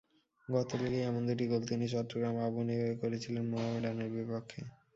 গত লিগেই এমন দুটি গোল তিনি চট্টগ্রাম আবাহনীর হয়ে করেছিলেন মোহামেডানের বিপক্ষে।